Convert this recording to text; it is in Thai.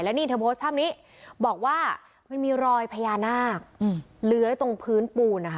นี่เธอโพสต์ภาพนี้บอกว่ามันมีรอยพญานาคเลื้อยตรงพื้นปูนนะคะ